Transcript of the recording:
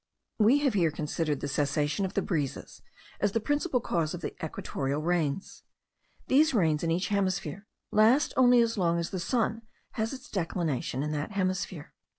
We have here considered the cessation of the breezes as the principal cause of the equatorial rains. These rains in each hemisphere last only as long as the sun has its declination in that hemisphere.